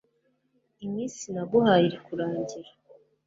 iminsi naguhaye iri kurangira